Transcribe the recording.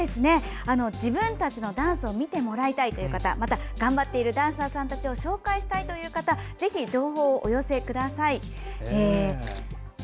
自分たちのダンスを見てもらいたいという方また頑張っているダンサーさんを紹介したいという方ぜひ情報をお寄せください。